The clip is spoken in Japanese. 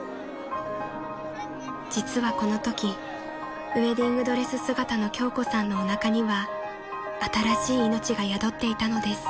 ［実はこのときウエディングドレス姿の京子さんのおなかには新しい命が宿っていたのです］